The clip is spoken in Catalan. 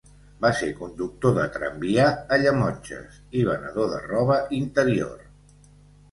Va ser conductor de tramvia a Llemotges i venedor de roba interior.